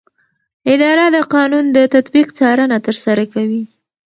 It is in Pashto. اداره د قانون د تطبیق څارنه ترسره کوي.